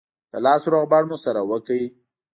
د لاس روغبړ مو سره وکړ.